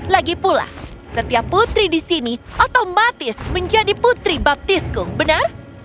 lagi pula setiap putri di sini otomatis menjadi putri baptisku benar